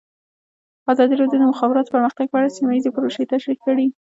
ازادي راډیو د د مخابراتو پرمختګ په اړه سیمه ییزې پروژې تشریح کړې.